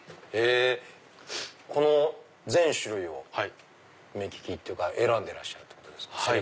この全種類を目利きというか選んでらっしゃるんですか？